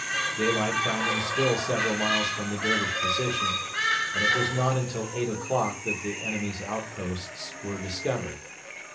Daylight found them still several miles from the Dervish position, and it was not until eight o'clock that the enemy's outposts were discovered.